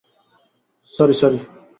Sorry, sorry.